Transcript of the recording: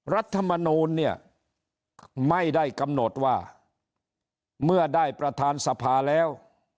รัฐมนูลเนี่ยไม่ได้กำหนดว่าเมื่อได้ประธานสภาแล้ว